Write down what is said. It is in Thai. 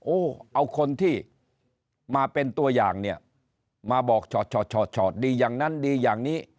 เอาคนที่มาเป็นตัวอย่างเนี่ยมาบอกชอดดีอย่างนั้นดีอย่างนี้